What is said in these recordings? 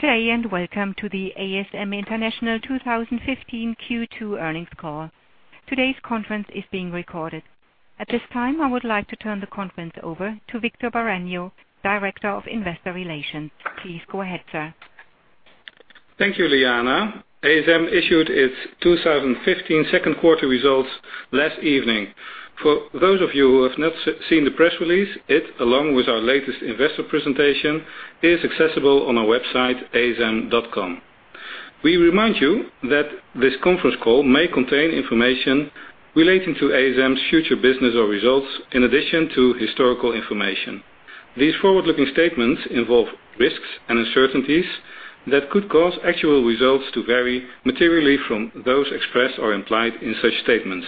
Good day. Welcome to the ASM International 2015 Q2 earnings call. Today's conference is being recorded. At this time, I would like to turn the conference over to Victor Bareño, Director of Investor Relations. Please go ahead, sir. Thank you, Liana. ASM issued its 2015 second quarter results last evening. For those of you who have not seen the press release, it, along with our latest investor presentation, is accessible on our website, asm.com. We remind you that this conference call may contain information relating to ASM's future business or results, in addition to historical information. These forward-looking statements involve risks and uncertainties that could cause actual results to vary materially from those expressed or implied in such statements.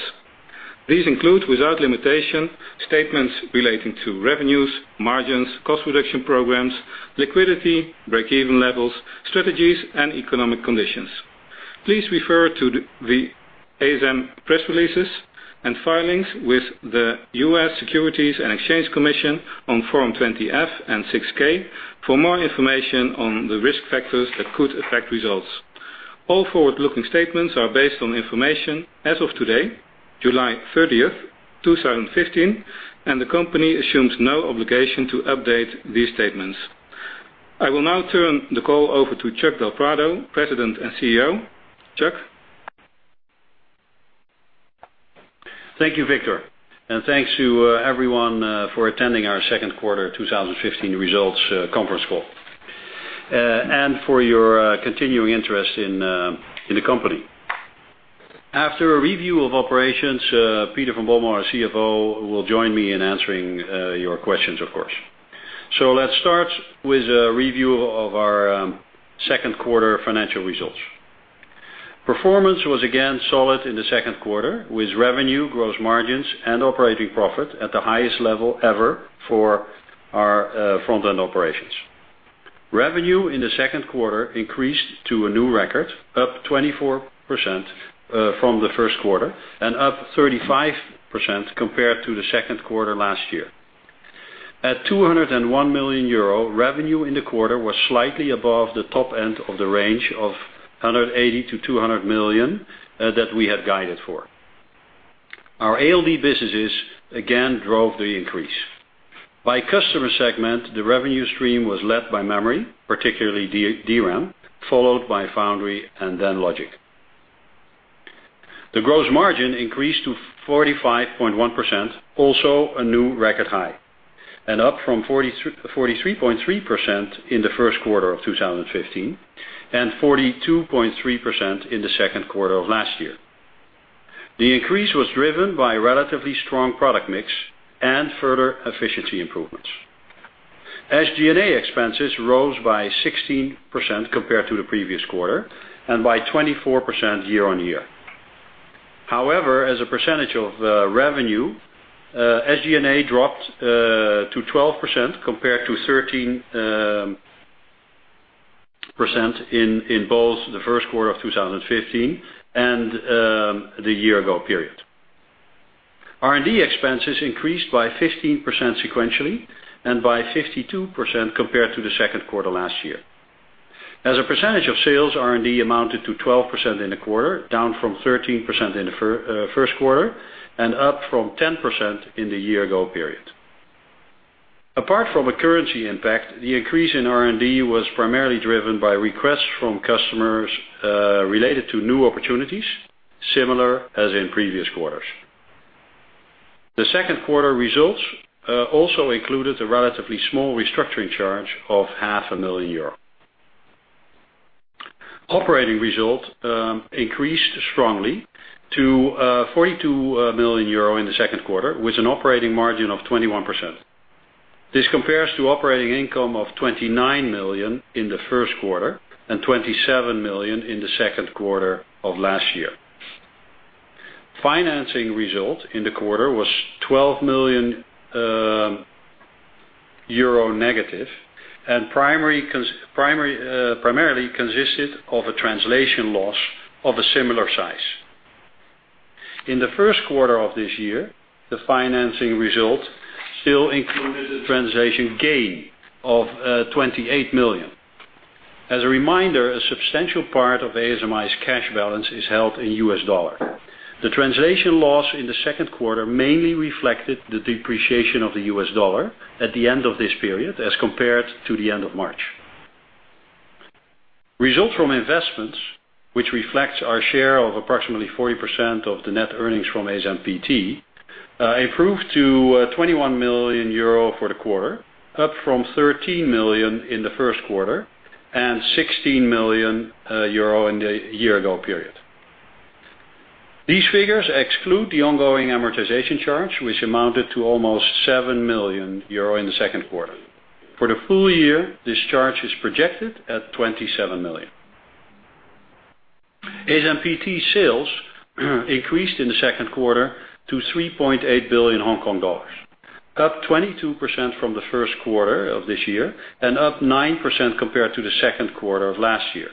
These include, without limitation, statements relating to revenues, margins, cost reduction programs, liquidity, breakeven levels, strategies, and economic conditions. Please refer to the ASM press releases and filings with the U.S. Securities and Exchange Commission on Form 20-F and 6-K for more information on the risk factors that could affect results. All forward-looking statements are based on information as of today, July 30th, 2015. The company assumes no obligation to update these statements. I will now turn the call over to Chuck del Prado, President and CEO. Chuck? Thank you, Victor. Thanks to everyone for attending our second quarter 2015 results conference call, and for your continuing interest in the company. After a review of operations, Peter van Bommel, our CFO, will join me in answering your questions, of course. Let's start with a review of our second quarter financial results. Performance was again solid in the second quarter, with revenue, gross margins, and operating profit at the highest level ever for our front-end operations. Revenue in the second quarter increased to a new record, up 24% from the first quarter and up 35% compared to the second quarter last year. At 201 million euro, revenue in the quarter was slightly above the top end of the range of 180 million-200 million that we had guided for. Our ALD businesses again drove the increase. By customer segment, the revenue stream was led by memory, particularly DRAM, followed by foundry, and then logic. The gross margin increased to 45.1%, also a new record high and up from 43.3% in the first quarter of 2015 and 42.3% in the second quarter of last year. The increase was driven by relatively strong product mix and further efficiency improvements. SG&A expenses rose by 16% compared to the previous quarter and by 24% year-on-year. As a percentage of revenue, SG&A dropped to 12% compared to 13% in both the first quarter of 2015 and the year ago period. R&D expenses increased by 15% sequentially and by 52% compared to the second quarter last year. As a percentage of sales, R&D amounted to 12% in the quarter, down from 13% in the first quarter and up from 10% in the year ago period. Apart from a currency impact, the increase in R&D was primarily driven by requests from customers related to new opportunities, similar as in previous quarters. The second quarter results also included a relatively small restructuring charge of half a million EUR. Operating results increased strongly to 42 million euro in the second quarter with an operating margin of 21%. This compares to operating income of 29 million in the first quarter and 27 million in the second quarter of last year. Financing result in the quarter was 12 million euro negative and primarily consisted of a translation loss of a similar size. In the first quarter of this year, the financing result still included a translation gain of 28 million. As a reminder, a substantial part of ASMI's cash balance is held in US dollar. The translation loss in the second quarter mainly reflected the depreciation of the US dollar at the end of this period as compared to the end of March. Results from investments, which reflects our share of approximately 40% of the net earnings from ASMPT, improved to 21 million euro for the quarter, up from 13 million in the first quarter and 16 million euro in the year ago period. These figures exclude the ongoing amortization charge, which amounted to almost 7 million euro in the second quarter. For the full year, this charge is projected at 27 million. ASMPT sales increased in the second quarter to 3.8 billion Hong Kong dollars, up 22% from the first quarter of this year and up 9% compared to the second quarter of last year.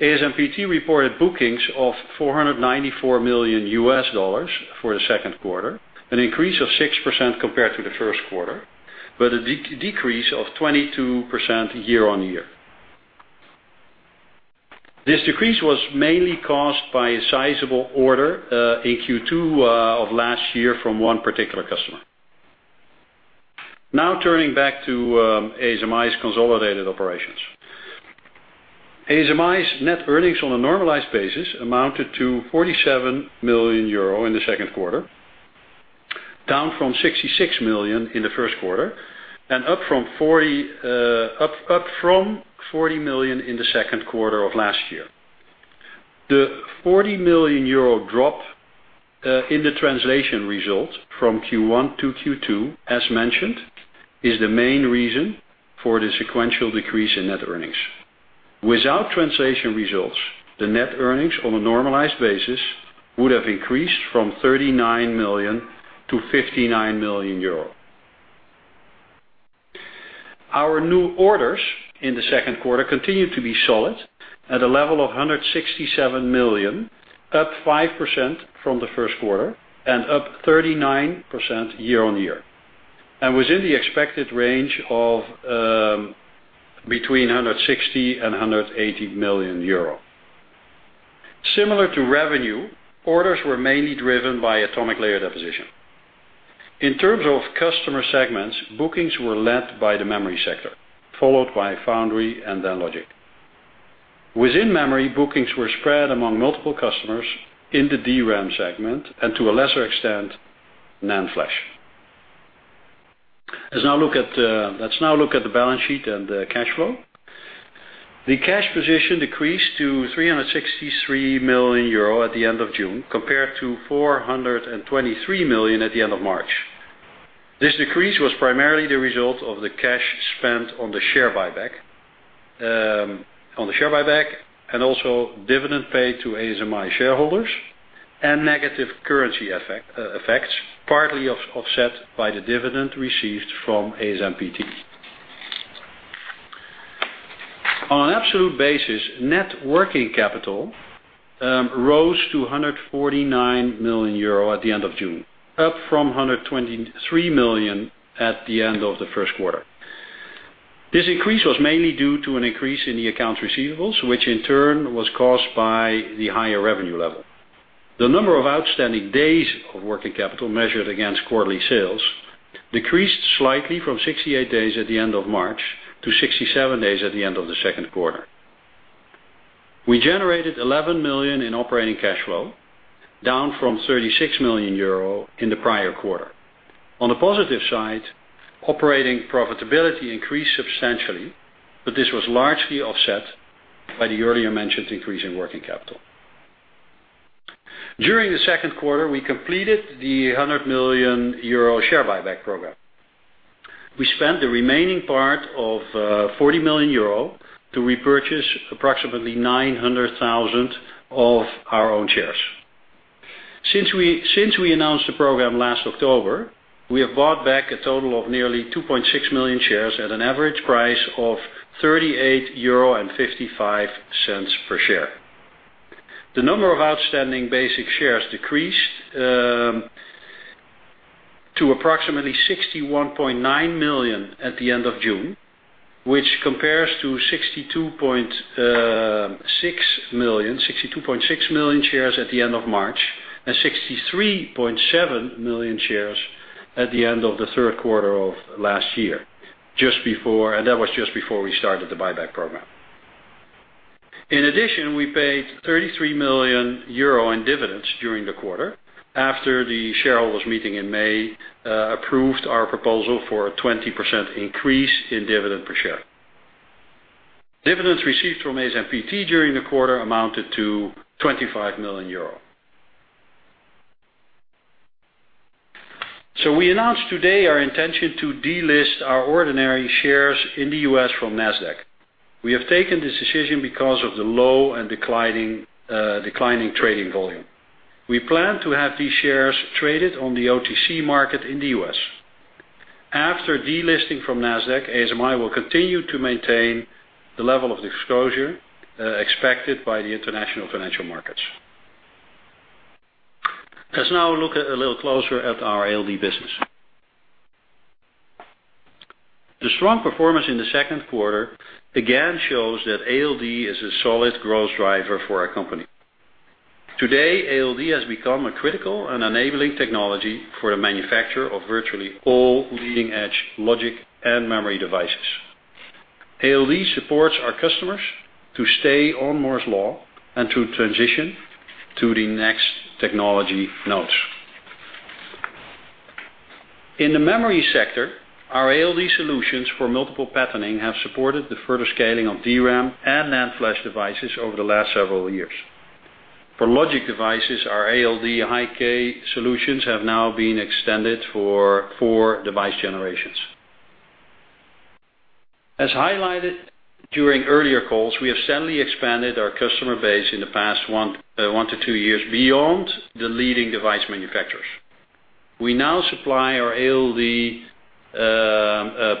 ASMPT reported bookings of EUR 494 million for the second quarter, an increase of 6% compared to the first quarter, but a decrease of 22% year-on-year. This decrease was mainly caused by a sizable order in Q2 of last year from one particular customer. Turning back to ASMI's consolidated operations. ASMI's net earnings on a normalized basis amounted to 47 million euro in the second quarter, down from 66 million in the first quarter and up from 40 million in the second quarter of last year. The 40 million euro drop in the translation result from Q1 to Q2, as mentioned, is the main reason for the sequential decrease in net earnings. Without translation results, the net earnings on a normalized basis would have increased from 39 million to 59 million euros. Our new orders in the second quarter continued to be solid at a level of 167 million, up 5% from the first quarter and up 39% year-on-year, and within the expected range of between €160 and €180 million. Similar to revenue, orders were mainly driven by atomic layer deposition. In terms of customer segments, bookings were led by the memory sector, followed by foundry and then logic. Within memory, bookings were spread among multiple customers in the DRAM segment, and to a lesser extent, NAND flash. Let's now look at the balance sheet and the cash flow. The cash position decreased to €363 million at the end of June, compared to 423 million at the end of March. This decrease was primarily the result of the cash spent on the share buyback and also dividend paid to ASMI shareholders and negative currency effects, partly offset by the dividend received from ASMPT. On an absolute basis, net working capital rose to €149 million at the end of June, up from 123 million at the end of the first quarter. This increase was mainly due to an increase in the account receivables, which in turn was caused by the higher revenue level. The number of outstanding days of working capital measured against quarterly sales decreased slightly from 68 days at the end of March to 67 days at the end of the second quarter. We generated 11 million in operating cash flow, down from €36 million in the prior quarter. On the positive side, operating profitability increased substantially, but this was largely offset by the earlier mentioned increase in working capital. During the second quarter, we completed the €100 million share buyback program. We spent the remaining part of €40 million to repurchase approximately 900,000 of our own shares. Since we announced the program last October, we have bought back a total of nearly 2.6 million shares at an average price of €38.55 per share. The number of outstanding basic shares decreased to approximately 61.9 million at the end of June, which compares to 62.6 million shares at the end of March and 63.7 million shares at the end of the third quarter of last year. That was just before we started the buyback program. In addition, we paid €33 million in dividends during the quarter after the shareholders' meeting in May approved our proposal for a 20% increase in dividend per share. Dividends received from ASMPT during the quarter amounted to €25 million. We announce today our intention to delist our ordinary shares in the U.S. from Nasdaq. We have taken this decision because of the low and declining trading volume. We plan to have these shares traded on the OTC market in the U.S. After delisting from Nasdaq, ASMI will continue to maintain the level of disclosure expected by the international financial markets. Let's now look a little closer at our ALD business. The strong performance in the second quarter again shows that ALD is a solid growth driver for our company. Today, ALD has become a critical and enabling technology for the manufacture of virtually all leading-edge logic and memory devices. ALD supports our customers to stay on Moore's Law and to transition to the next technology nodes. In the memory sector, our ALD solutions for multiple patterning have supported the further scaling of DRAM and NAND flash devices over the last several years. For logic devices, our ALD High-K solutions have now been extended for four device generations. As highlighted during earlier calls, we have steadily expanded our customer base in the past one to two years beyond the leading device manufacturers. We now supply our ALD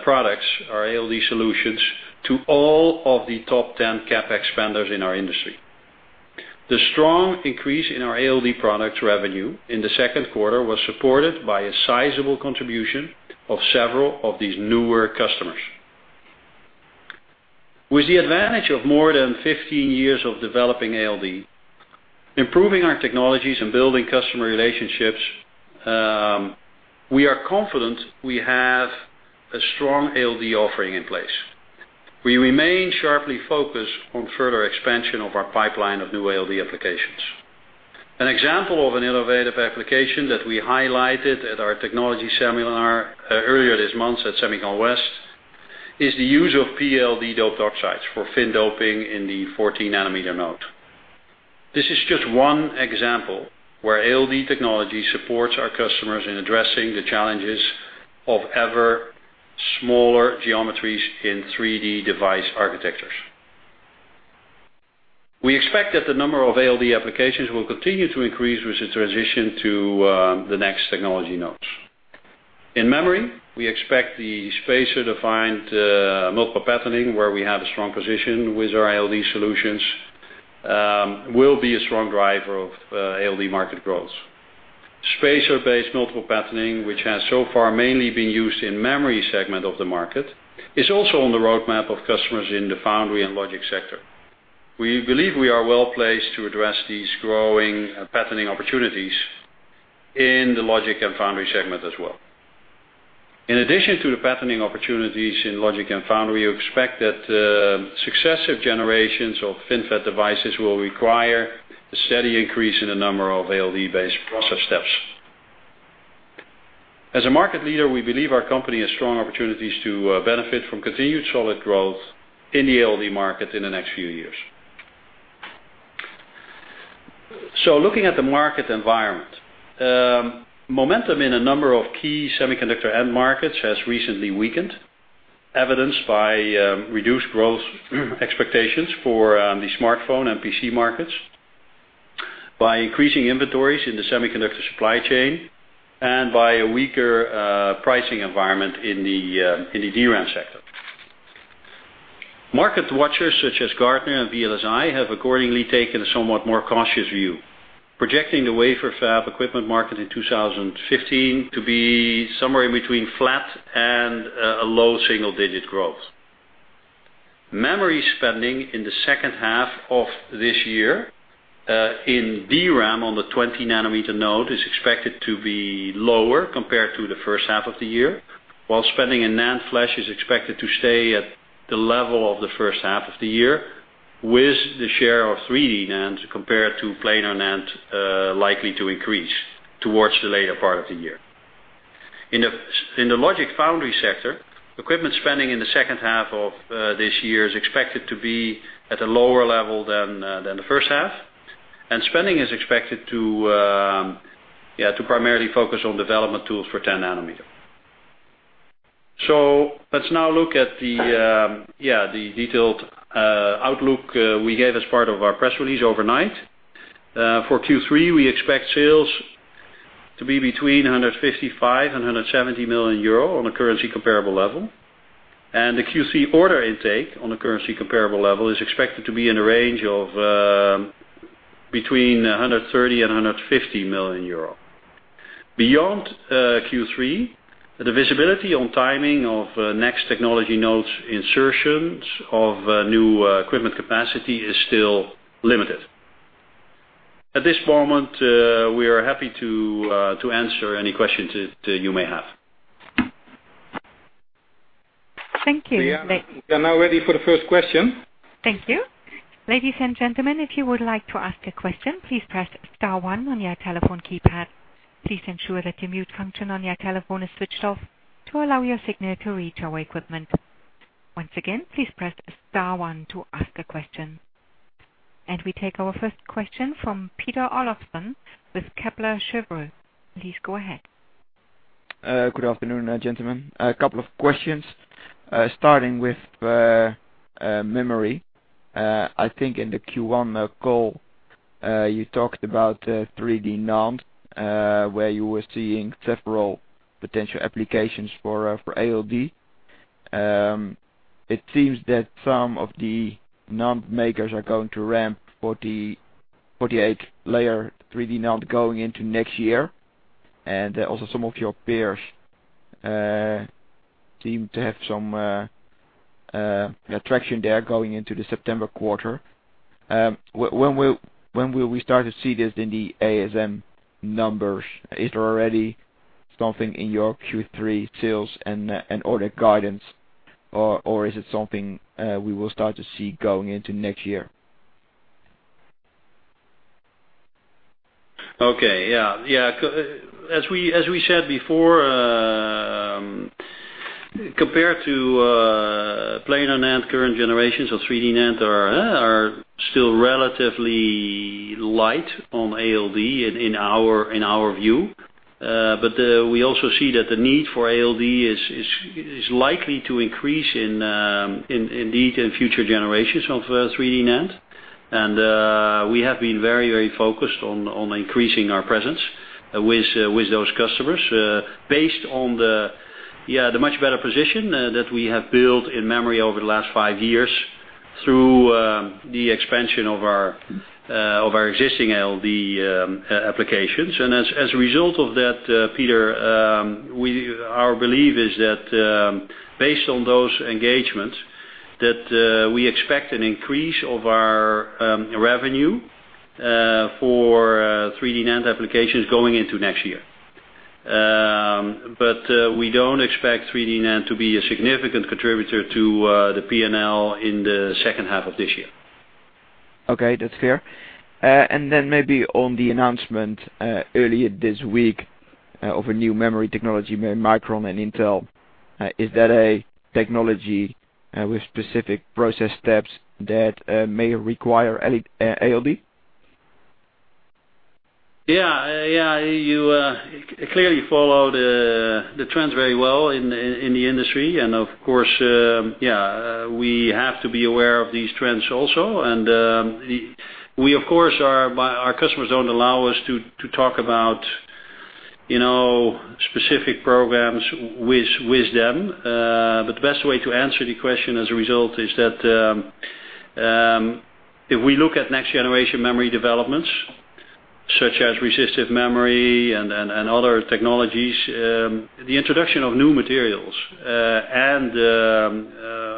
products, our ALD solutions, to all of the top 10 CapEx vendors in our industry. The strong increase in our ALD products revenue in the second quarter was supported by a sizable contribution of several of these newer customers. With the advantage of more than 15 years of developing ALD, improving our technologies, and building customer relationships, we are confident we have a strong ALD offering in place. We remain sharply focused on further expansion of our pipeline of new ALD applications. An example of an innovative application that we highlighted at our technology seminar earlier this month at SEMICON West is the use of ALD-doped oxides for fin doping in the 14 nanometer node. This is just one example where ALD technology supports our customers in addressing the challenges of ever smaller geometries in 3D device architectures. We expect that the number of ALD applications will continue to increase with the transition to the next technology nodes. In memory, we expect the spacer-defined multiple patterning, where we have a strong position with our ALD solutions, will be a strong driver of ALD market growth. Spacer-based multiple patterning, which has so far mainly been used in memory segment of the market, is also on the roadmap of customers in the foundry and logic sector. We believe we are well-placed to address these growing patterning opportunities in the logic and foundry segment as well. In addition to the patterning opportunities in logic and foundry, we expect that successive generations of FinFET devices will require a steady increase in the number of ALD-based process steps. As a market leader, we believe our company has strong opportunities to benefit from continued solid growth in the ALD market in the next few years. Looking at the market environment, momentum in a number of key semiconductor end markets has recently weakened, evidenced by reduced growth expectations for the smartphone and PC markets by increasing inventories in the semiconductor supply chain, and by a weaker pricing environment in the DRAM sector. Market watchers such as Gartner and VLSI have accordingly taken a somewhat more cautious view, projecting the wafer fab equipment market in 2015 to be somewhere in between flat and a low single-digit growth. Memory spending in the second half of this year in DRAM on the 20 nanometer node is expected to be lower compared to the first half of the year, while spending in NAND flash is expected to stay at the level of the first half of the year with the share of 3D NAND compared to planar NAND likely to increase towards the later part of the year. In the logic foundry sector, equipment spending in the second half of this year is expected to be at a lower level than the first half. Spending is expected to primarily focus on development tools for 10 nanometer. Let's now look at the detailed outlook we gave as part of our press release overnight. For Q3, we expect sales to be between 155 million euro and 170 million euro on a currency comparable level. The Q3 order intake on a currency comparable level is expected to be in a range of between 130 million and 150 million euro. Beyond Q3, the visibility on timing of next technology nodes insertions of new equipment capacity is still limited. At this moment, we are happy to answer any questions that you may have. Thank you. We are now ready for the first question. Thank you. Ladies and gentlemen, if you would like to ask a question, please press star one on your telephone keypad. Please ensure that the mute function on your telephone is switched off to allow your signal to reach our equipment. Once again, please press star one to ask a question. We take our first question from Peter Olofsen with Kepler Cheuvreux. Please go ahead. Good afternoon, gentlemen. A couple of questions, starting with memory. I think in the Q1 call, you talked about 3D NAND, where you were seeing several potential applications for ALD. It seems that some of the NAND makers are going to ramp 48-layer 3D NAND going into next year, and also some of your peers seem to have some attraction there going into the September quarter. When will we start to see this in the ASM numbers? Is there already something in your Q3 sales and order guidance, or is it something we will start to see going into next year? Okay. Yeah. As we said before, compared to planar NAND, current generations of 3D NAND are still relatively light on ALD in our view. We also see that the need for ALD is likely to increase indeed in future generations of 3D NAND. We have been very focused on increasing our presence with those customers based on the much better position that we have built in memory over the last five years through the expansion of our existing ALD applications. As a result of that, Peter, our belief is that based on those engagements, that we expect an increase of our revenue for 3D NAND applications going into next year. We don't expect 3D NAND to be a significant contributor to the P&L in the second half of this year. Okay, that's clear. Maybe on the announcement earlier this week of a new memory technology, Micron and Intel, is that a technology with specific process steps that may require ALD? Yeah. You clearly follow the trends very well in the industry and, of course, we have to be aware of these trends also. Our customers don't allow us to talk about specific programs with them. The best way to answer the question as a result is that, if we look at next-generation memory developments such as resistive memory and other technologies, the introduction of new materials, and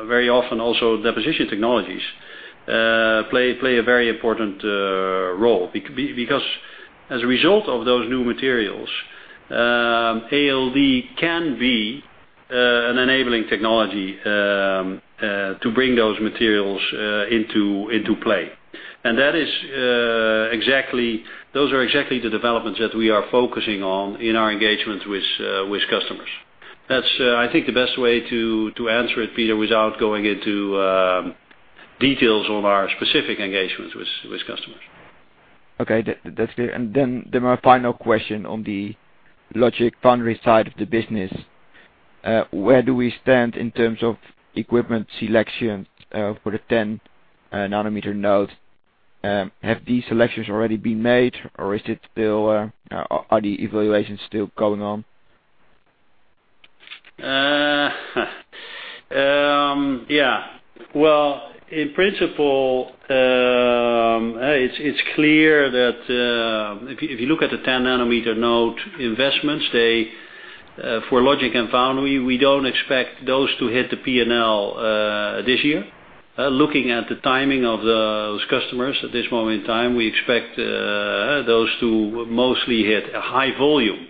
very often also deposition technologies, play a very important role. Because as a result of those new materials, ALD can be an enabling technology to bring those materials into play. Those are exactly the developments that we are focusing on in our engagements with customers. That's, I think, the best way to answer it, Peter, without going into details on our specific engagements with customers. Okay, that's clear. My final question on the logic foundry side of the business. Where do we stand in terms of equipment selection for the 10-nanometer node? Have these selections already been made, or are the evaluations still going on? Well, in principle, it's clear that if you look at the 10-nanometer node investments, for logic and foundry, we don't expect those to hit the P&L this year. Looking at the timing of those customers at this moment in time, we expect those to mostly hit a high volume.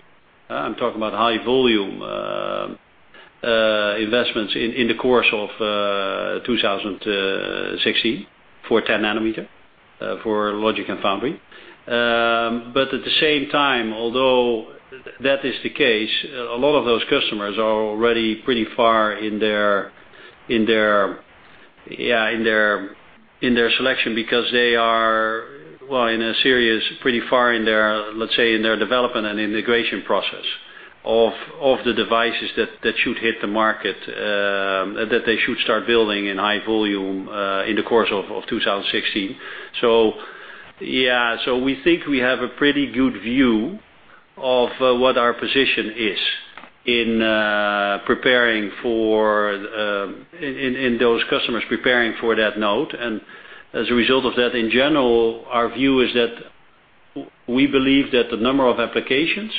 I'm talking about high volume investments in the course of 2016 for 10-nanometer, for logic and foundry. At the same time, although that is the case, a lot of those customers are already pretty far in their selection because they are in a series pretty far, let's say, in their development and integration process of the devices that should hit the market, that they should start building in high volume, in the course of 2016. We think we have a pretty good view of what our position is in those customers preparing for that node. As a result of that, in general, our view is that we believe that the number of applications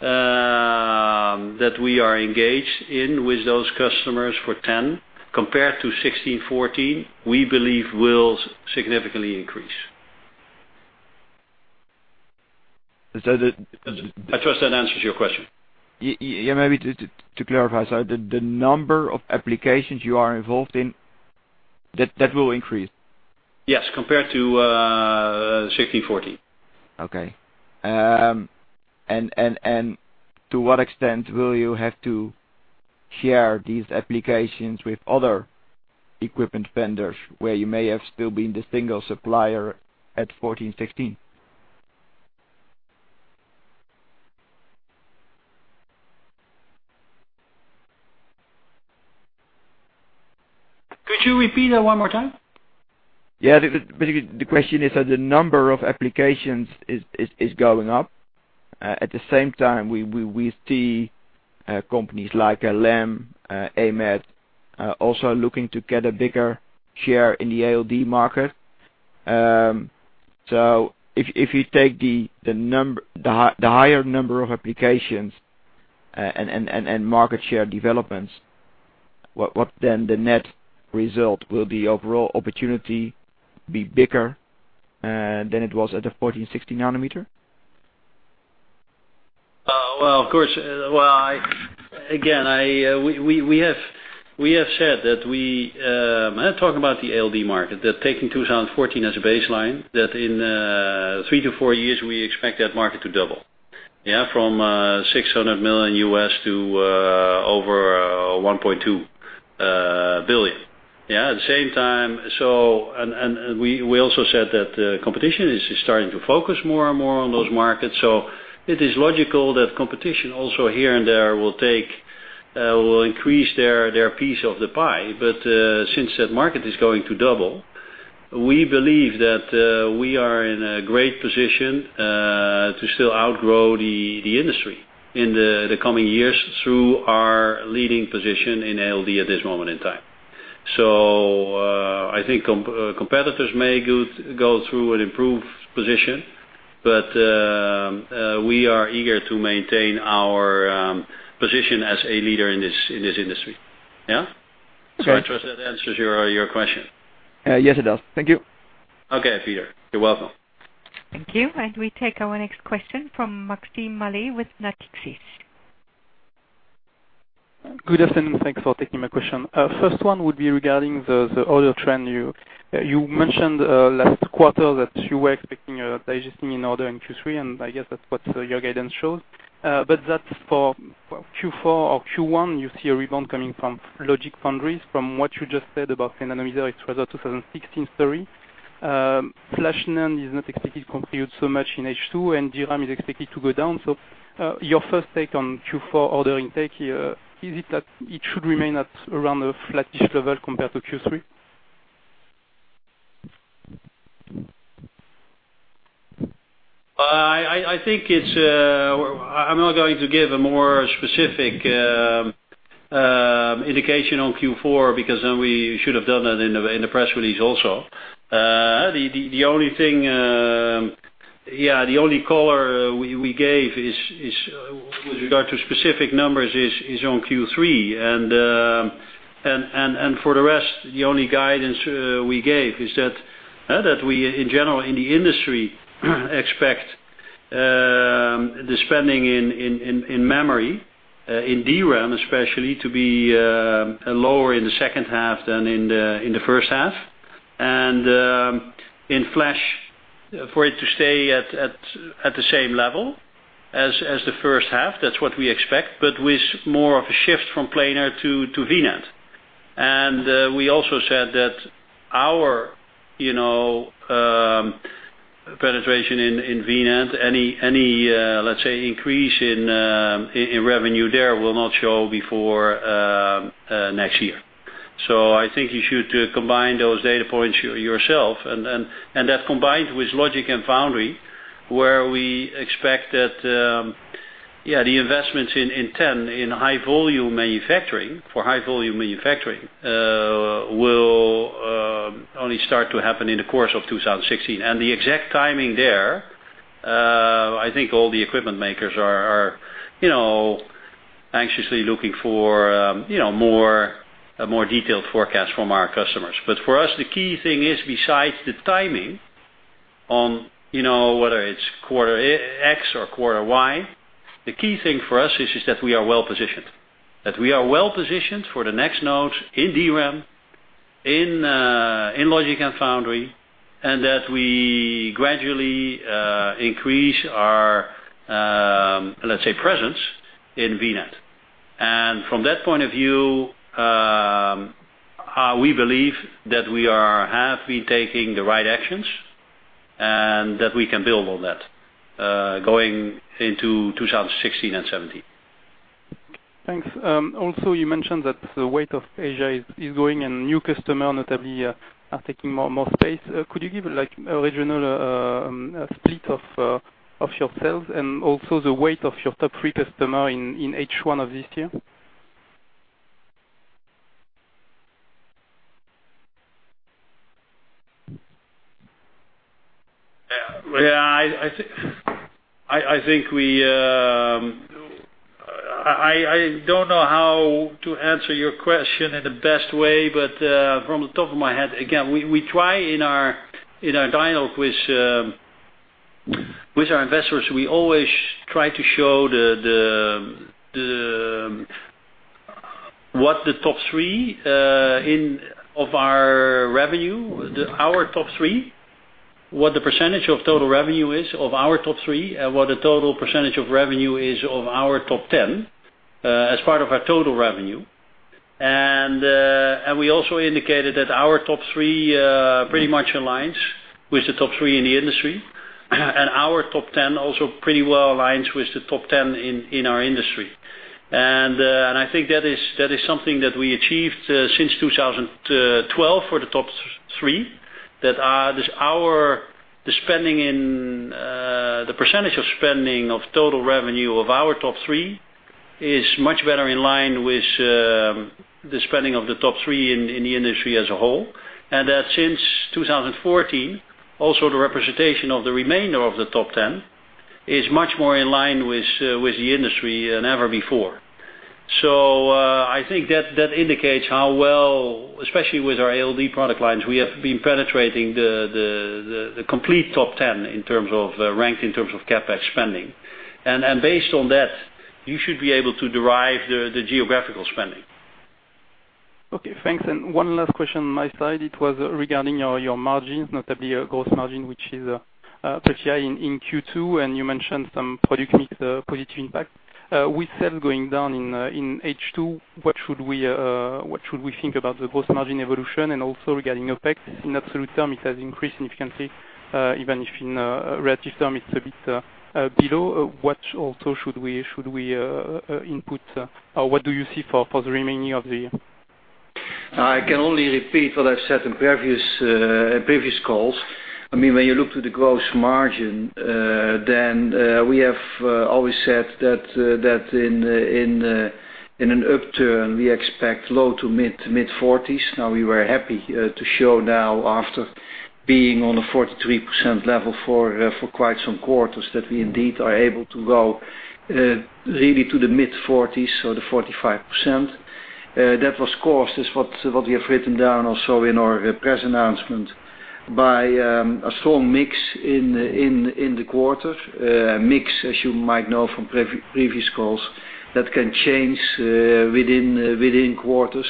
that we are engaged in with those customers for 10, compared to 16, 14, we believe will significantly increase. I trust that answers your question. Maybe to clarify, the number of applications you are involved in, that will increase? Yes. Compared to 16, 14. Okay. To what extent will you have to share these applications with other equipment vendors where you may have still been the single supplier at 14, 16? Could you repeat that one more time? Yeah. The question is that the number of applications is going up. At the same time, we see companies like Lam, AMAT, also looking to get a bigger share in the ALD market. If you take the higher number of applications and market share developments, what then the net result? Will the overall opportunity be bigger than it was at the 14, 16 nanometer? Well, of course. Again, we have said that when I talk about the ALD market, that taking 2014 as a baseline, that in three to four years, we expect that market to double. From $600 million to over $1.2 billion. At the same time, we also said that competition is starting to focus more and more on those markets. It is logical that competition also here and there will increase their piece of the pie. Since that market is going to double. We believe that we are in a great position to still outgrow the industry in the coming years through our leading position in ALD at this moment in time. I think competitors may go through an improved position, but we are eager to maintain our position as a leader in this industry. Yeah? Okay. I trust that answers your question. Yes, it does. Thank you. Okay, Peter. You are welcome. Thank you. We take our next question from Maxime Mallet with Natixis. Good afternoon. Thanks for taking my question. First one would be regarding the order trend. You mentioned last quarter that you were expecting a digesting in order in Q3, I guess that's what your guidance shows. That's for Q4 or Q1, you see a rebound coming from logic foundries, from what you just said about nanometer exposure 2016 story. Flash NAND is not expected to contribute so much in H2, DRAM is expected to go down. Your first take on Q4 order intake here, is it that it should remain at around a flat-ish level compared to Q3? I'm not going to give a more specific indication on Q4 because then we should have done that in the press release also. The only color we gave with regard to specific numbers is on Q3. For the rest, the only guidance we gave is that we, in general, in the industry, expect the spending in memory, in DRAM especially, to be lower in the second half than in the first half. In flash, for it to stay at the same level as the first half. That's what we expect, but with more of a shift from planar to V-NAND. We also said that our penetration in V-NAND, any increase in revenue there will not show before next year. I think you should combine those data points yourself, and that combined with logic and foundry, where we expect that the investments in 10 in high-volume manufacturing, for high-volume manufacturing, will only start to happen in the course of 2016. The exact timing there, I think all the equipment makers are anxiously looking for a more detailed forecast from our customers. For us, the key thing is besides the timing on whether it's quarter X or quarter Y, the key thing for us is just that we are well-positioned. That we are well-positioned for the next node in DRAM, in logic and foundry, and that we gradually increase our presence in V-NAND. From that point of view, we believe that we have been taking the right actions and that we can build on that going into 2016 and 2017. Thanks. You mentioned that the weight of Asia is growing and new customers notably are taking more space. Could you give original split of your sales and also the weight of your top 3 customers in H1 of this year? I don't know how to answer your question in the best way, from the top of my head, again, in our dialogue with our investors, we always try to show what the top 3 of our revenue, our top 3, what the percentage of total revenue is of our top 3, and what the total percentage of revenue is of our top 10 as part of our total revenue. We also indicated that our top 3 pretty much aligns with the top 3 in the industry. Our top 10 also pretty well aligns with the top 10 in our industry. I think that is something that we achieved since 2012 for the top 3. That the percentage of spending of total revenue of our top 3 is much better in line with the spending of the top 3 in the industry as a whole. That since 2014, also the representation of the remainder of the top 10 is much more in line with the industry than ever before. I think that indicates how well, especially with our ALD product lines, we have been penetrating the complete top 10 ranked in terms of CapEx spending. Based on that, you should be able to derive the geographical spending. Okay, thanks. One last question my side, it was regarding your margins, notably your gross margin, which is in Q2, and you mentioned some product mix positive impact. With sales going down in H2, what should we think about the gross margin evolution and also regarding OpEx? In absolute terms, it has increased significantly, even if in relative term it's a bit below. What do you see for the remaining of the year? I can only repeat what I've said in previous calls. When you look to the gross margin, we have always said that in an upturn, we expect low to mid-40s. We were happy to show now after being on a 43% level for quite some quarters, that we indeed are able to go really to the mid-40s or the 45%. That was caused, is what we have written down also in our press announcement, by a strong mix in the quarter. Mix, as you might know from previous calls, can change within quarters.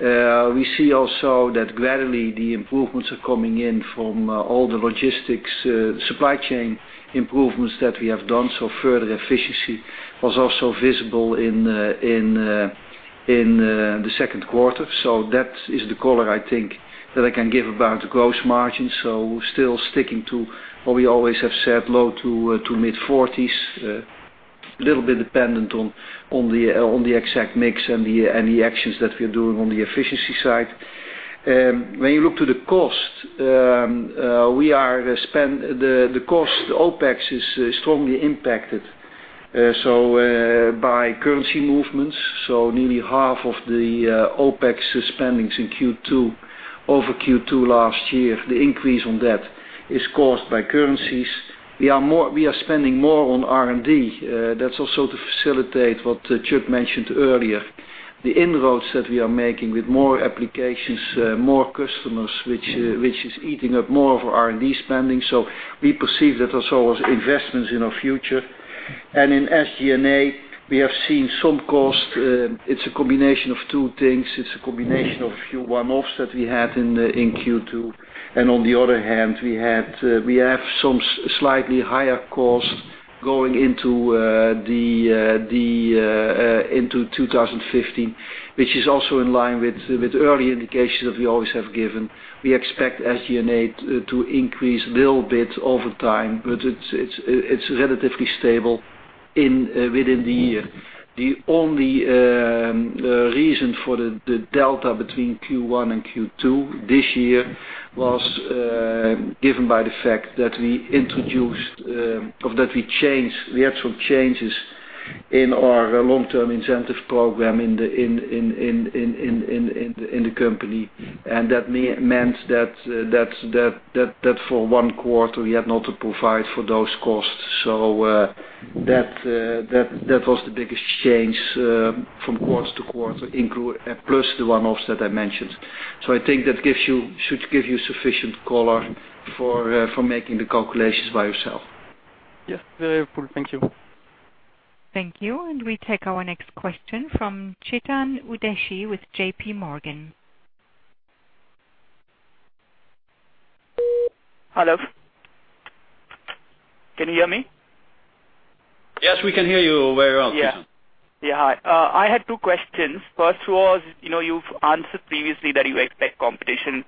We see also that gradually the improvements are coming in from all the logistics supply chain improvements that we have done. Further efficiency was also visible in the second quarter. That is the color I think that I can give about the gross margin. We're still sticking to what we always have said, low to mid-40s. A little bit dependent on the exact mix and the actions that we are doing on the efficiency side. When you look to the cost, the cost OpEx is strongly impacted by currency movements. Nearly half of the OpEx spendings in Q2 over Q2 last year, the increase on that is caused by currencies. We are spending more on R&D. That's also to facilitate what Chuck mentioned earlier. The inroads that we are making with more applications, more customers, which is eating up more of our R&D spending. We perceive that as well as investments in our future. In SG&A, we have seen some cost. It's a combination of two things. It's a combination of a few one-offs that we had in Q2. On the other hand, we have some slightly higher cost going into 2015, which is also in line with early indications that we always have given. We expect SG&A to increase a little bit over time, but it's relatively stable within the year. The only reason for the delta between Q1 and Q2 this year was given by the fact that we had some changes in our long-term incentive program in the company. That meant that for one quarter, we had not to provide for those costs. That was the biggest change from quarter to quarter plus the one-offs that I mentioned. I think that should give you sufficient color for making the calculations by yourself. Yes. Very helpful. Thank you. Thank you. We take our next question from Chetan Udeshi with J.P. Morgan. Hello. Can you hear me? Yes, we can hear you very well, Chetan. Yeah. I had two questions. First was, you've answered previously that you expect competition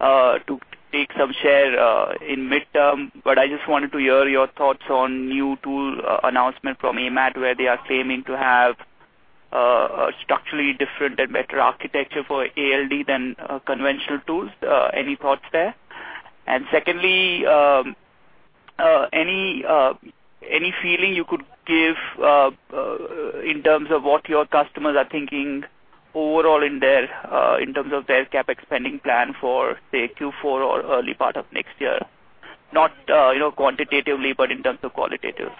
to take some share in mid-term, I just wanted to hear your thoughts on new tool announcement from AMAT where they are claiming to have a structurally different and better architecture for ALD than conventional tools. Any thoughts there? Secondly, any feeling you could give in terms of what your customers are thinking overall in terms of their CapEx spending plan for, say, Q4 or early part of next year? Not quantitatively, but in terms of qualitative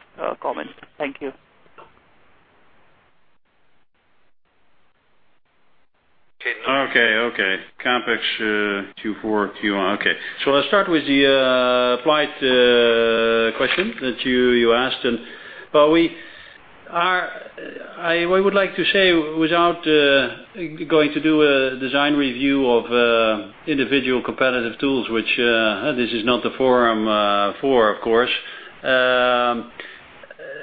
comments. Thank you. Okay. CapEx Q4, Q1. Okay. I'll start with the Applied question that you asked. I would like to say, without going to do a design review of individual competitive tools, which this is not the forum for, of course.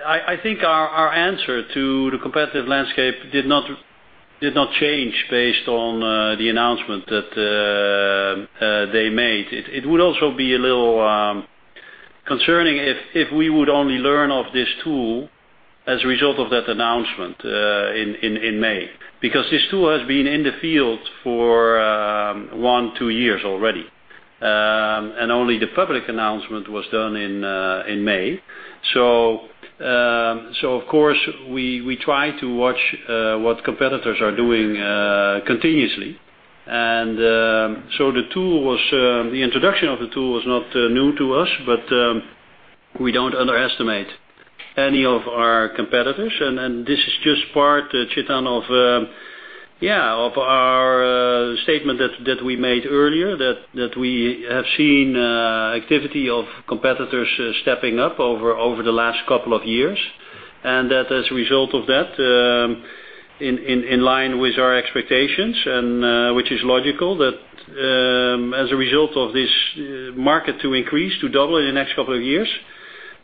I think our answer to the competitive landscape did not change based on the announcement that they made. It would also be a little concerning if we would only learn of this tool as a result of that announcement in May, because this tool has been in the field for one, two years already. Only the public announcement was done in May. Of course, we try to watch what competitors are doing continuously. The introduction of the tool was not new to us, but we don't underestimate any of our competitors. This is just part, Chetan, of our statement that we made earlier, that we have seen activity of competitors stepping up over the last couple of years, and that as a result of that, in line with our expectations and which is logical, that as a result of this market to increase, to double in the next couple of years,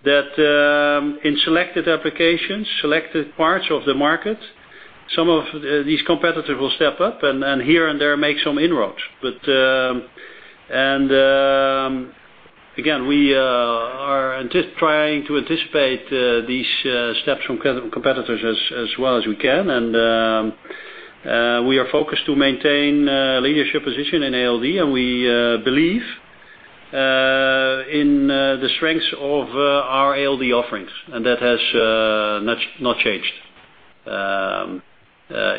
that in selected applications, selected parts of the market, some of these competitors will step up and here and there make some inroads. Again, we are trying to anticipate these steps from competitors as well as we can. We are focused to maintain leadership position in ALD, and we believe in the strengths of our ALD offerings. That has not changed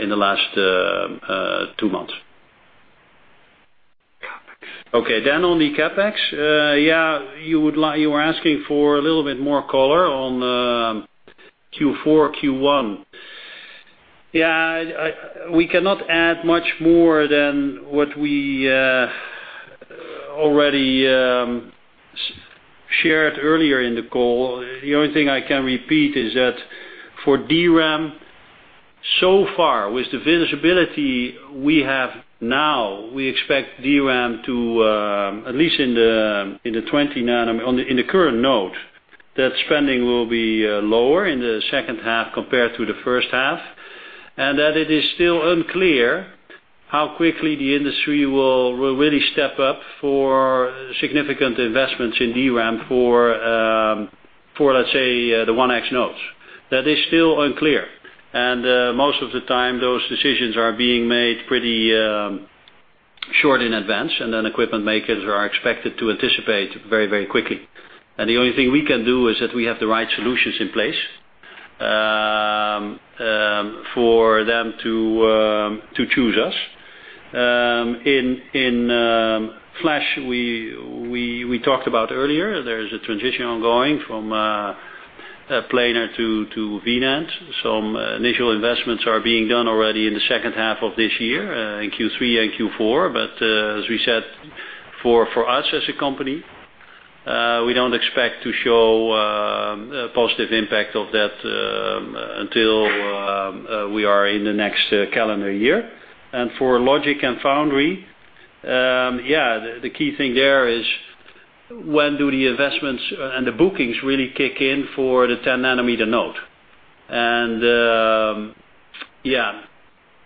in the last two months. CapEx. Okay, on the CapEx. You were asking for a little bit more color on Q4, Q1. We cannot add much more than what we already shared earlier in the call. The only thing I can repeat is that for DRAM, so far with the visibility we have now, we expect DRAM to, at least in the current node, that spending will be lower in the second half compared to the first half, and that it is still unclear how quickly the industry will really step up for significant investments in DRAM for, let's say, the 1X nodes. That is still unclear. Most of the time, those decisions are being made pretty short in advance, and then equipment makers are expected to anticipate very quickly. The only thing we can do is that we have the right solutions in place for them to choose us. In flash, we talked about earlier, there is a transition ongoing from planar to V-NAND. Some initial investments are being done already in the second half of this year, in Q3 and Q4. As we said, for us as a company, we don't expect to show a positive impact of that until we are in the next calendar year. For logic and foundry, the key thing there is when do the investments and the bookings really kick in for the 10-nanometer node? The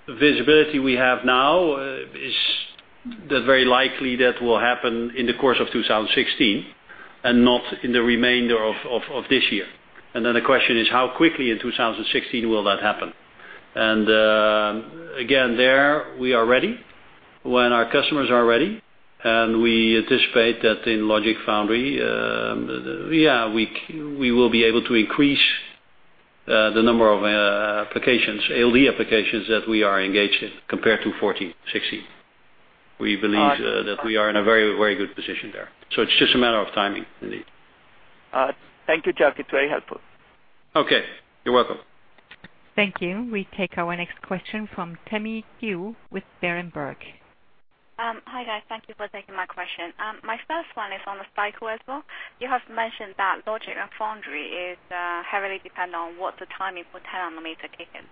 visibility we have now is that very likely that will happen in the course of 2016 and not in the remainder of this year. The question is, how quickly in 2016 will that happen? Again, there we are ready when our customers are ready, and we anticipate that in logic foundry, we will be able to increase the number of ALD applications that we are engaged in compared to 2014, 2016. We believe that we are in a very good position there. It's just a matter of timing, indeed. Thank you, Chuck. It's very helpful. Okay. You're welcome. Thank you. We take our next question from Tammy Qiu with Berenberg. Hi, guys. Thank you for taking my question. My first one is on the cycle as well. You have mentioned that logic and foundry is heavily dependent on what the timing for 10 nanometer kick in.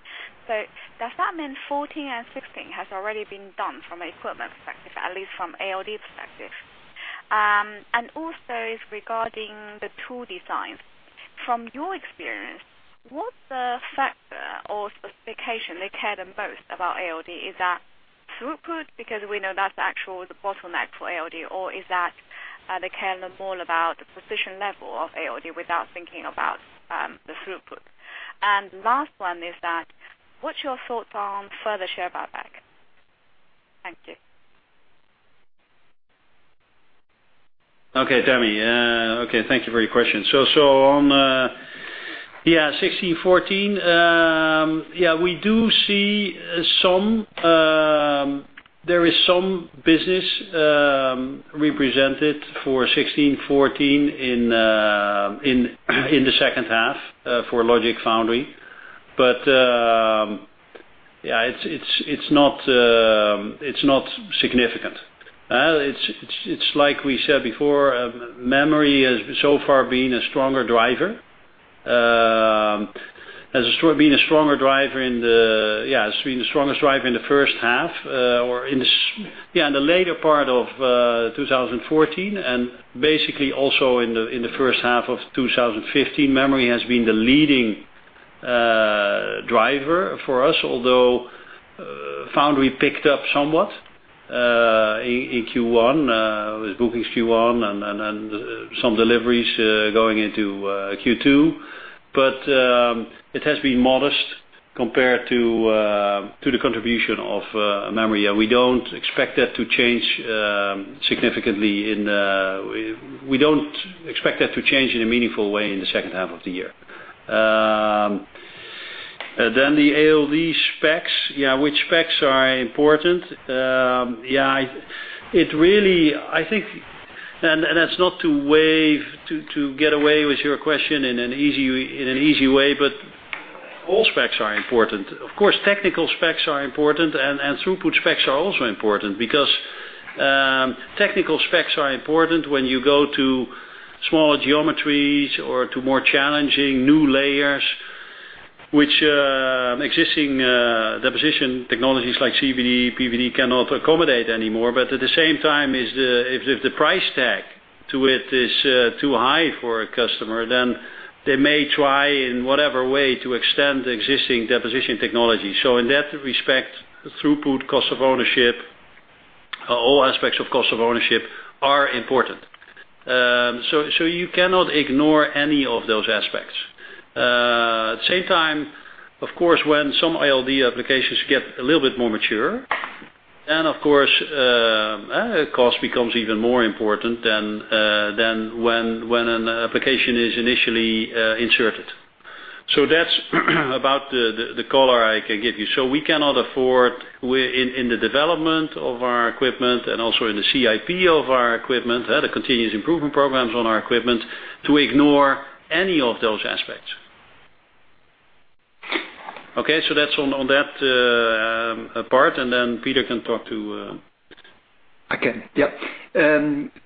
Does that mean 14 and 16 has already been done from an equipment perspective, at least from ALD perspective? Also is regarding the tool designs. From your experience, what's the factor or specification they care the most about ALD? Is that throughput? Because we know that's actual, the bottleneck for ALD, or is that they care more about the precision level of ALD without thinking about the throughput. Last one is that, what's your thoughts on further share buyback? Thank you. Okay, Tammy. Thank you for your question. On 16, 14, we do see there is some business represented for 16, 14 in the second half for logic foundry. It's not significant. It's like we said before, memory has so far been a stronger driver. It's been the strongest driver in the first half, or in the later part of 2014, and basically also in the first half of 2015, memory has been the leading driver for us. Although foundry picked up somewhat in bookings Q1 and then some deliveries going into Q2. But it has been modest compared to the contribution of memory. We don't expect that to change in a meaningful way in the second half of the year. The ALD specs. Which specs are important? That's not to get away with your question in an easy way, but all specs are important. Of course, technical specs are important and throughput specs are also important because technical specs are important when you go to smaller geometries or to more challenging new layers, which existing deposition technologies like CVD, PVD cannot accommodate anymore. At the same time, if the price tag to it is too high for a customer, then they may try in whatever way to extend the existing deposition technology. In that respect, throughput, cost of ownership, all aspects of cost of ownership are important. You cannot ignore any of those aspects. At the same time, of course, when some ALD applications get a little bit more mature, then, of course, cost becomes even more important than when an application is initially inserted. That's about the color I can give you. We cannot afford, in the development of our equipment and also in the CIP of our equipment, the continuous improvement programs on our equipment, to ignore any of those aspects. Okay, that's on that part, Peter can talk too. I can.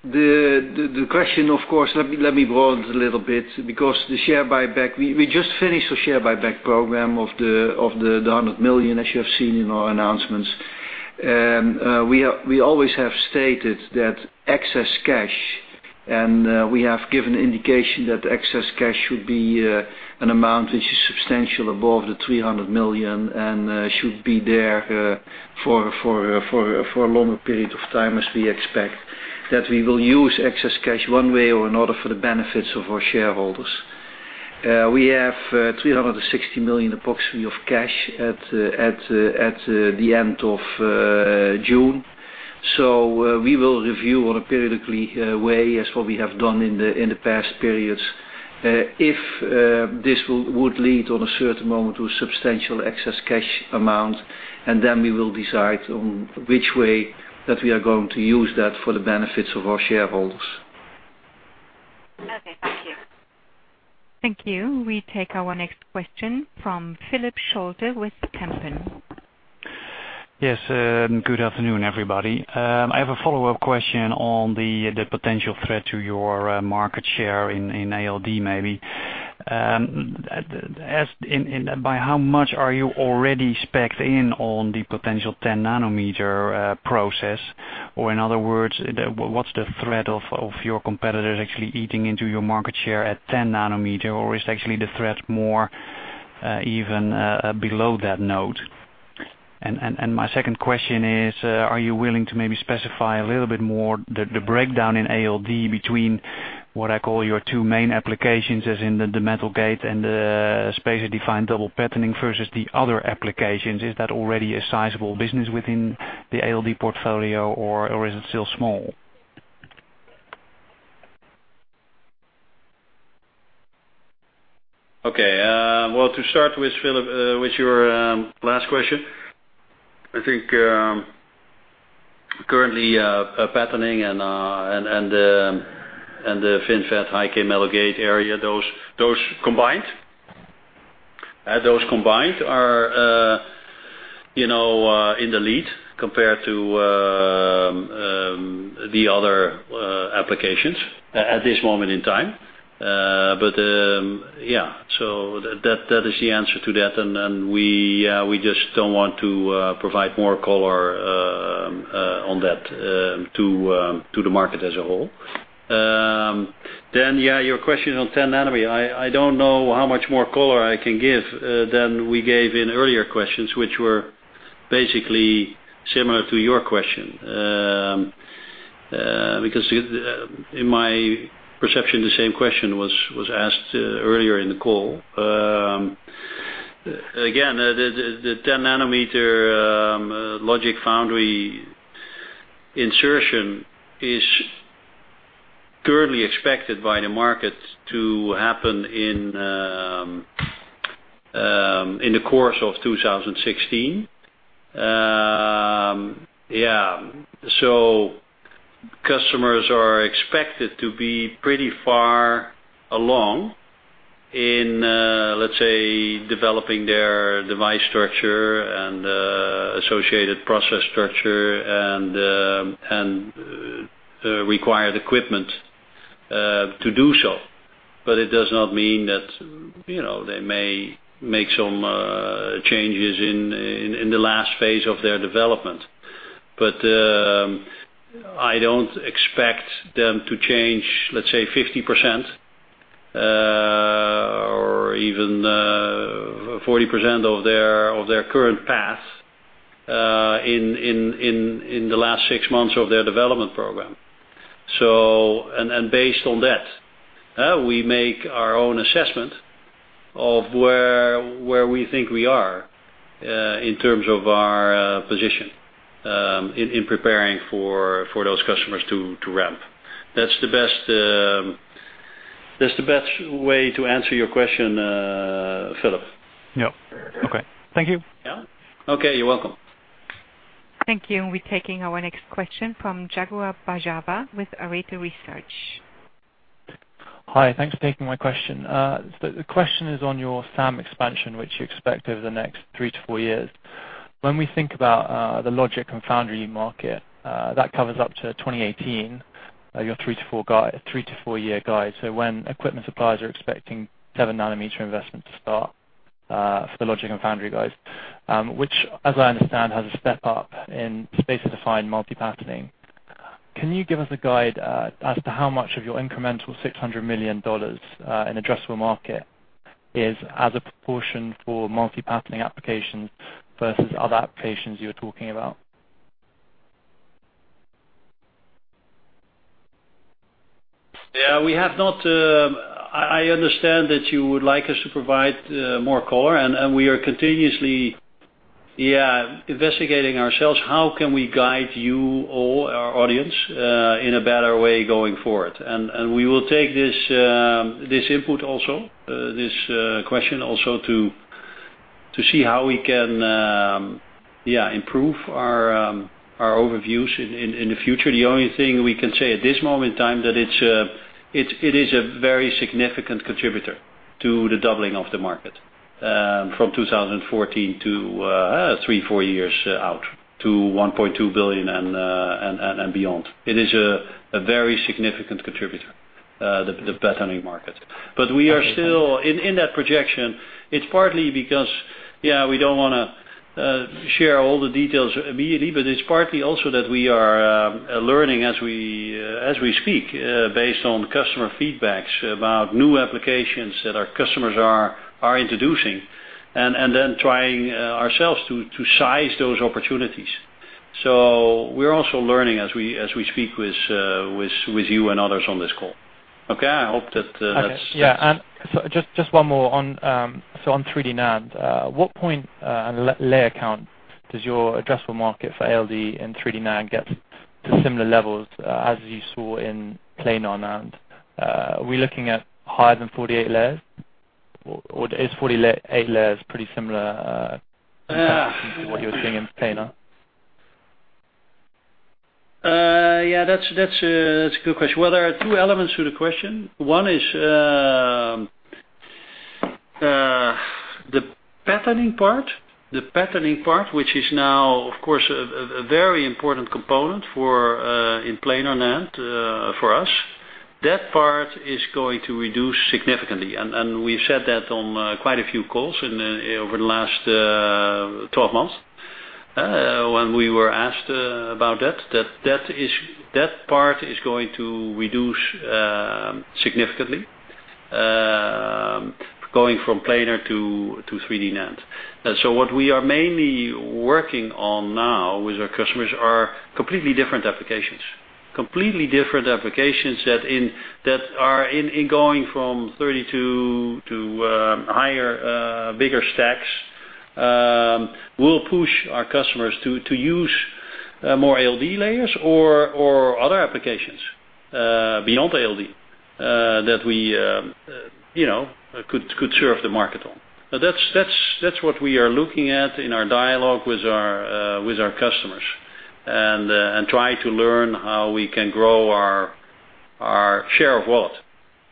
The question, of course, let me broaden a little bit, because the share buyback, we just finished a share buyback program of the 100 million, as you have seen in our announcements. We always have stated that excess cash, and we have given indication that excess cash should be an amount which is substantial above the 300 million and should be there for a longer period of time as we expect, that we will use excess cash one way or another for the benefits of our shareholders. We have 360 million approximately of cash at the end of June. We will review periodically as what we have done in the past periods, if this would lead on a certain moment to a substantial excess cash amount, we will decide on which way that we are going to use that for the benefits of our shareholders. Okay. Thank you. Thank you. We take our next question from Philip Scholte with Kempen. Yes. Good afternoon, everybody. I have a follow-up question on the potential threat to your market share in ALD maybe. By how much are you already specced in on the potential 10 nanometer process? In other words, what's the threat of your competitors actually eating into your market share at 10 nanometer? Is actually the threat more even below that note? My second question is, are you willing to maybe specify a little bit more the breakdown in ALD between what I call your two main applications, as in the metal gate and the spacer-defined multiple patterning versus the other applications? Is that already a sizable business within the ALD portfolio, or is it still small? Okay. Well, to start with, Philip, with your last question. I think, currently, patterning and the FinFET high-k metal gate area, those combined are in the lead compared to the other applications at this moment in time. Yeah. That is the answer to that, and we just don't want to provide more color on that to the market as a whole. Yeah, your question on 10 nanometer, I don't know how much more color I can give than we gave in earlier questions, which were basically similar to your question. In my perception, the same question was asked earlier in the call. The 10 nanometer logic foundry insertion is currently expected by the market to happen in the course of 2016. Customers are expected to be pretty far along in, let's say, developing their device structure and associated process structure and the required equipment to do so. It does not mean that they may make some changes in the last phase of their development. I don't expect them to change, let's say, 50% or even 40% of their current path, in the last six months of their development program. Based on that, we make our own assessment of where we think we are, in terms of our position, in preparing for those customers to ramp. That's the best way to answer your question, Philip. Yeah. Okay. Thank you. Yeah. Okay. You're welcome. Thank you. We're taking our next question from Jaguar Bajwa with Arete Research. Hi. Thanks for taking my question. The question is on your SAM expansion, which you expect over the next three to four years. When we think about the logic and foundry market, that covers up to 2018, your three to four-year guide. When equipment suppliers are expecting 7-nanometer investment to start, for the logic and foundry guys, which as I understand, has a step up in spacer-defined multiple patterning. Can you give us a guide as to how much of your incremental EUR 600 million in addressable market is as a proportion for multi-patterning applications versus other applications you're talking about? I understand that you would like us to provide more color, we are continuously investigating ourselves, how can we guide you or our audience, in a better way going forward. We will take this input also, this question also to see how we can improve our overviews in the future. The only thing we can say at this moment in time, that it is a very significant contributor to the doubling of the market, from 2014 to three, four years out, to 1.2 billion and beyond. It is a very significant contributor, the patterning market. We are still in that projection. It's partly because we don't want to share all the details immediately, but it's partly also that we are learning as we speak, based on customer feedbacks about new applications that our customers are introducing, and then trying ourselves to size those opportunities. We're also learning as we speak with you and others on this call. Okay, I hope that that's. Okay. Yeah, just one more. On 3D NAND, what point and layer count does your addressable market for ALD and 3D NAND get to similar levels, as you saw in planar NAND? Are we looking at higher than 48 layers? Is 48 layers pretty similar- Yeah to what you were seeing in planar? Yeah, that's a good question. Well, there are two elements to the question. One is, the patterning part, which is now of course, a very important component in planar NAND for us. That part is going to reduce significantly. We've said that on quite a few calls over the last 12 months, when we were asked about that. That part is going to reduce significantly, going from planar to 3D NAND. What we are mainly working on now with our customers are completely different applications. Completely different applications that are in going from 32 to higher, bigger stacks, will push our customers to use more ALD layers or other applications, beyond ALD, that we could serve the market on. That's what we are looking at in our dialogue with our customers, and try to learn how we can grow our share of what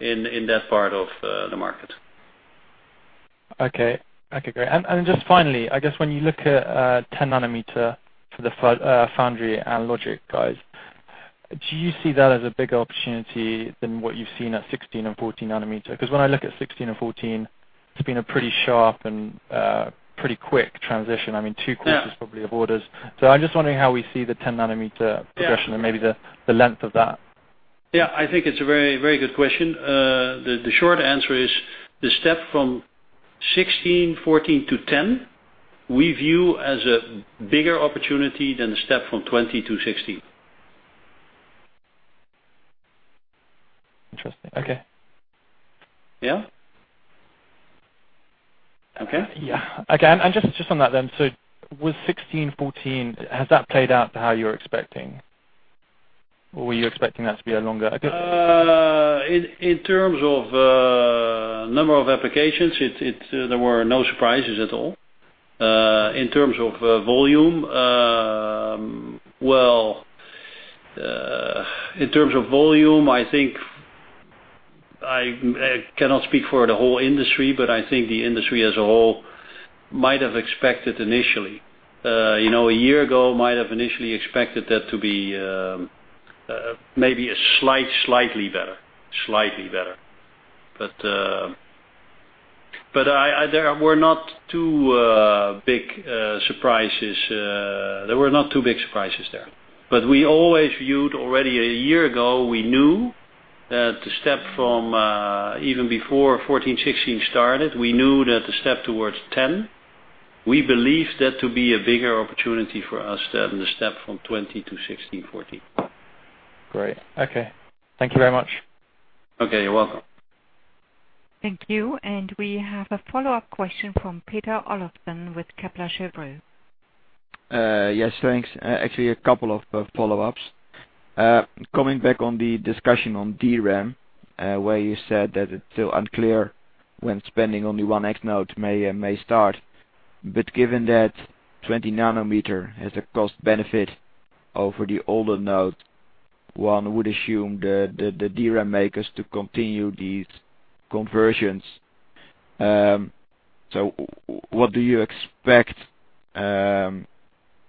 in that part of the market. Okay, great. Just finally, I guess when you look at 10 nanometer for the foundry and logic guys, do you see that as a bigger opportunity than what you've seen at 16 and 14 nanometer? Because when I look at 16 and 14, it's been a pretty sharp and pretty quick transition. Two quarters probably of orders. I'm just wondering how we see the 10-nanometer progression and maybe the length of that. Yeah, I think it's a very good question. The short answer is, the step from 16, 14 to 10, we view as a bigger opportunity than the step from 20 to 16. Interesting. Okay. Yeah. Okay. Yeah. Okay, just on that then, with 16/14, has that played out to how you were expecting? Were you expecting that to be a longer In terms of number of applications, there were no surprises at all. In terms of volume, I think I cannot speak for the whole industry, but I think the industry as a whole might have expected initially, a year ago, might have initially expected that to be maybe slightly better. There were not two big surprises there. We always viewed already a year ago, we knew that the step from, even before 14/16 started, we knew that the step towards 10, we believed that to be a bigger opportunity for us than the step from 20 to 16/14. Great. Okay. Thank you very much. Okay. You're welcome. Thank you. We have a follow-up question from Peter Olofsen with Kepler Cheuvreux. Yes, thanks. Actually, a couple of follow-ups. Coming back on the discussion on DRAM, where you said that it's still unclear when spending on the 1X node may start. Given that 20 nanometer has a cost benefit over the older node, one would assume the DRAM makers to continue these conversions. What do you expect?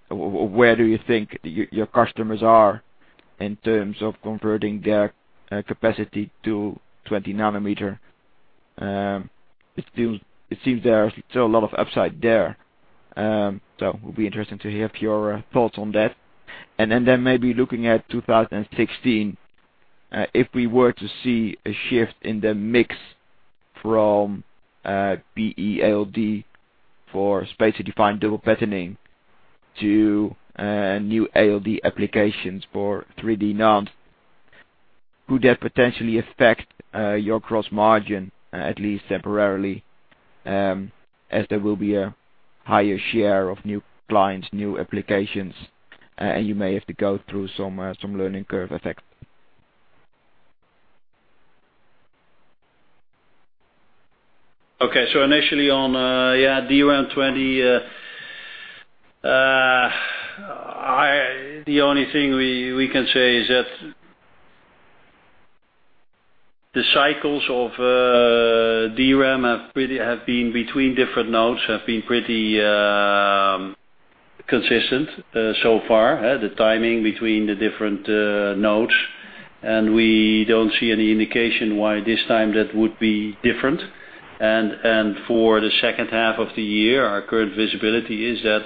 Where do you think your customers are in terms of converting their capacity to 20 nanometer? It seems there's still a lot of upside there. It would be interesting to hear your thoughts on that. Maybe looking at 2016, if we were to see a shift in the mix from PEALD for spacer-defined double patterning to new ALD applications for 3D NAND, could that potentially affect your gross margin, at least temporarily, as there will be a higher share of new clients, new applications, and you may have to go through some learning curve effect? Okay. Initially on, DRAM 20, the only thing we can say is that the cycles of DRAM have been between different nodes, have been pretty consistent so far. The timing between the different nodes. We don't see any indication why this time that would be different. For the second half of the year, our current visibility is that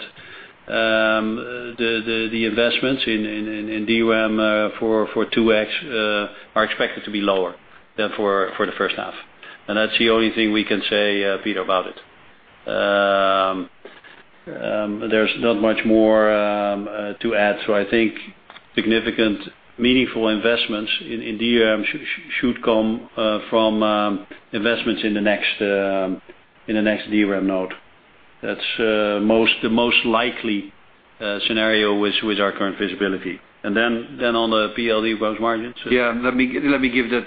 the investments in DRAM for 2X are expected to be lower than for the first half. That's the only thing we can say, Peter, about it. There's not much more to add. I think significant, meaningful investments in DRAM should come from investments in the next DRAM node. That's the most likely scenario with our current visibility. On the PEALD gross margins? Yeah, let me give that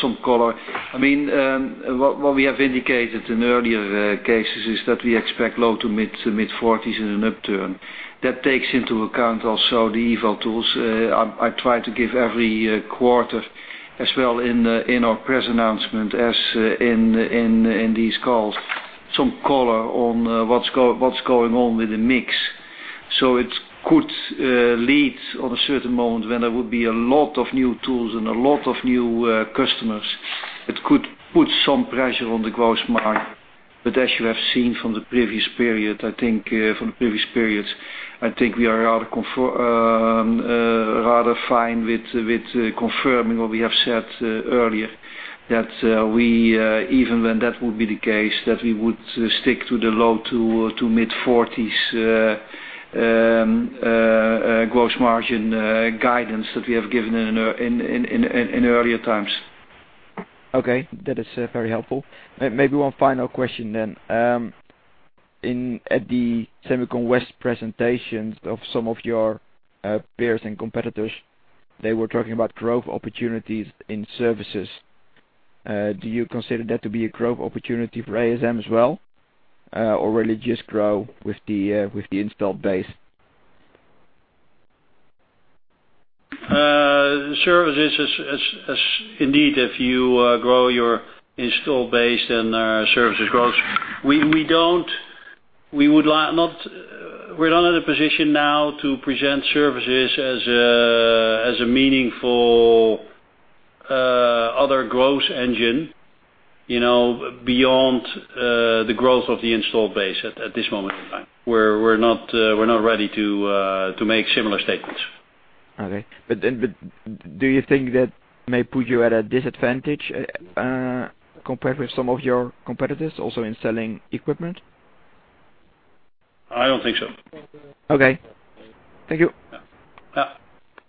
some color. What we have indicated in earlier cases is that we expect low to mid 40% in an upturn. That takes into account also the eval tools. I try to give every quarter as well in our press announcement as in these calls, some color on what's going on with the mix. It could lead on a certain moment when there would be a lot of new tools and a lot of new customers. It could put some pressure on the gross margin. As you have seen from the previous periods, I think we are rather fine with confirming what we have said earlier, that even when that would be the case, that we would stick to the low to mid-40% gross margin guidance that we have given in earlier times. Okay. That is very helpful. Maybe one final question. At the SEMICON West presentations of some of your peers and competitors, they were talking about growth opportunities in services. Do you consider that to be a growth opportunity for ASM as well? Or will you just grow with the installed base? Services, indeed, if you grow your installed base, then services grows. We're not in a position now to present services as a meaningful other growth engine, beyond the growth of the installed base at this moment in time. We're not ready to make similar statements. Okay. Do you think that may put you at a disadvantage compared with some of your competitors also in selling equipment? I don't think so. Okay. Thank you. Yeah.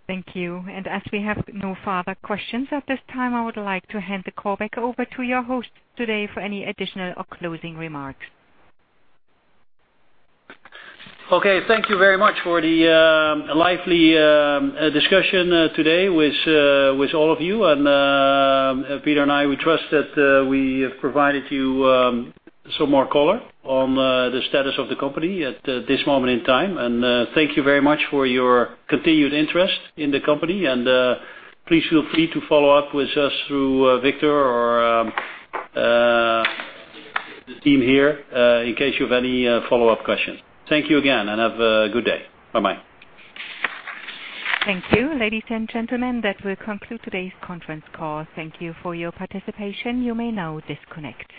Thank you. As we have no further questions at this time, I would like to hand the call back over to your host today for any additional or closing remarks. Okay. Thank you very much for the lively discussion today with all of you. Peter and I, we trust that we have provided you some more color on the status of the company at this moment in time. Thank you very much for your continued interest in the company, and please feel free to follow up with us through Victor or the team here in case you have any follow-up questions. Thank you again and have a good day. Bye-bye. Thank you. Ladies and gentlemen, that will conclude today's conference call. Thank you for your participation. You may now disconnect.